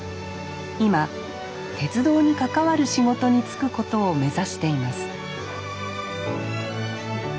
今鉄道に関わる仕事に就くことを目指しています